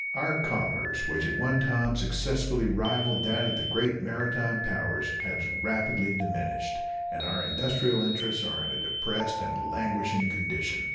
Our commerce, which at one time successfully rivaled that of the great maritime powers, has rapidly diminished, and our industrial interests are in a depressed and languishing condition.